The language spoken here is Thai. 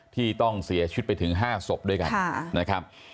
ที่ต้องเสียชุดไปถึง๕ศพด้วยกัน